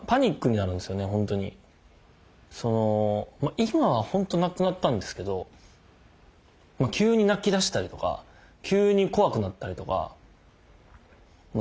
今は本当なくなったんですけど急に泣きだしたりとか急に怖くなったりとか。